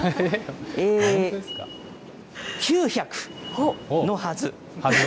えー、９００のはず。